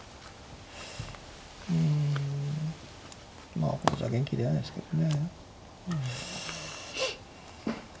まあこれじゃ元気出ないですけどね。